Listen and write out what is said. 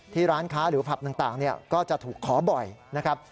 ร้านค้าหรือผับต่างก็จะถูกขอบ่อยนะครับ